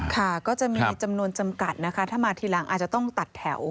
ค่ะก็จะมีจำนวนจำกัดนะคะถ้ามาทีหลังอาจจะต้องตัดแถว